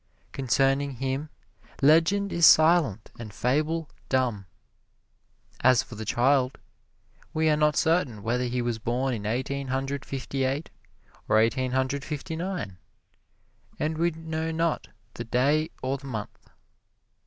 Concerning him legend is silent and fable dumb. As for the child, we are not certain whether he was born in Eighteen Hundred Fifty eight or Eighteen Hundred Fifty nine, and we know not the day or the month.